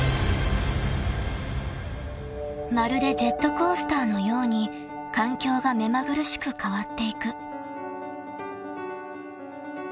［まるでジェットコースターのように環境が目まぐるしく変わっていく］